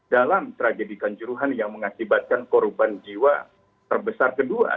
dalam tragedi kanjuruhan yang mengakibatkan korban jiwa terbesar kedua